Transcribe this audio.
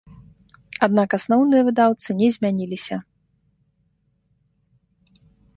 Аднак асноўныя выдаўцы не змяніліся.